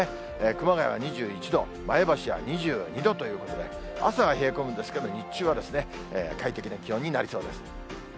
熊谷が２１度、前橋は２２度ということで、朝は冷え込むんですけど、日中は快適な気温になりそうです。